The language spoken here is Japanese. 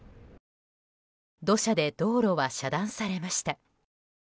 土砂で道路は遮断されました。